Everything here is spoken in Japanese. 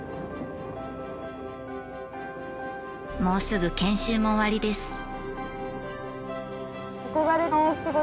もうすぐ研修も終わりです。